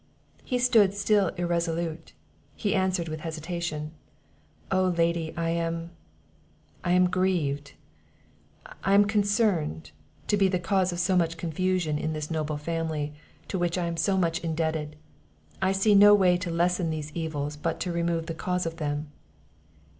He stood still irresolute, he answered with hesitation. "O, lady I am I am grieved, I am concerned, to be the cause of so much confusion in this noble family, to which I am so much indebted; I see no way to lessen these evils but to remove the cause of them."